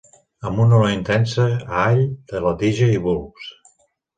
Amb una olor intensa a all de la tija i bulbs.